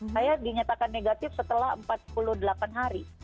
saya dinyatakan negatif setelah empat puluh delapan hari